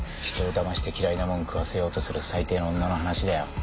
ひとをだまして嫌いなもん食わせようとする最低の女の話だよ。